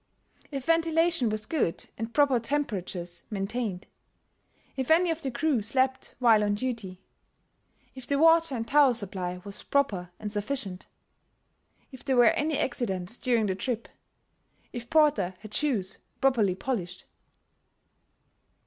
If ventilation was good and proper temperatures maintained; if any of the crew slept while on duty; if the water and towel supply was proper and sufficient; if there were any accidents during the trip; if porter had shoes properly polished.